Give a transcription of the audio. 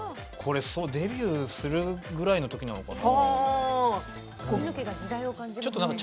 デビューするぐらいのときなのかな。